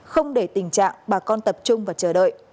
không để tình trạng bà con tập trung và chờ đợi